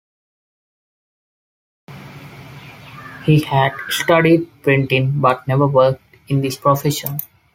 He had studied printing, but never worked in this profession.